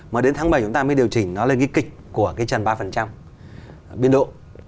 mà đến tháng bảy chúng ta mới điều chỉnh nó lên kịch của cái chân ba biên độ